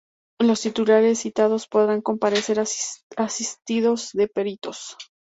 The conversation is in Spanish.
Los titulares citados podrán comparecer asistidos de peritos.